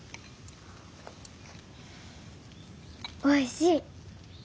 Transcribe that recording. おいしい。